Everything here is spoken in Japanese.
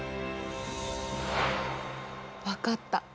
分かった。